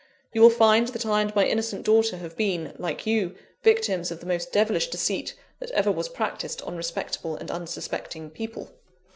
You will find that I and my innocent daughter have been, like you, victims of the most devilish deceit that ever was practised on respectable and unsuspecting people.